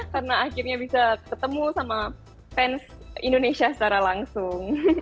karena akhirnya bisa ketemu sama fans indonesia secara langsung